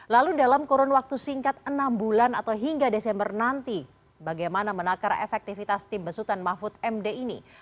lalu dalam kurun waktu singkat enam bulan atau hingga desember nanti bagaimana menakar efektivitas tim besutan mahfud md ini